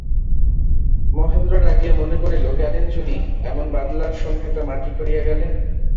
মহেন্দ্র রাগিয়া মনে করিল, গেলেন যদি, এমন বাদলার সন্ধ্যাটা মাটি করিয়া গেলেন।